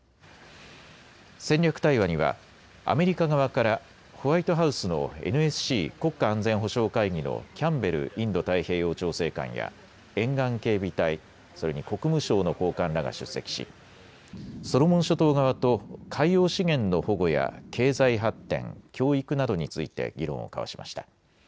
戦略対話にはアメリカ側からホワイトハウスのＮＳＣ・国家安全保障会議のキャンベルインド太平洋調整官や沿岸警備隊、それに国務省の高官らが出席しソロモン諸島側と海洋資源の保護や経済発展、教育などについて議論を交わしました。